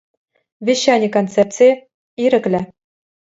Вещани концепцийӗ – «ирӗклӗ».